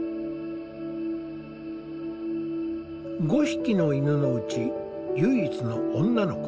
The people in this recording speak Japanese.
５匹の犬のうち唯一の女の子ナナ。